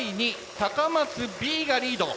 高松Ｂがリード。